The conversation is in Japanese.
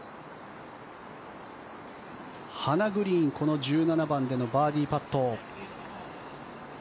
ハナ・グリーン、この１７番でのバーディーパット。